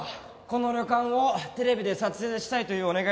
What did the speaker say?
この旅館をテレビで撮影したいというお願いでした。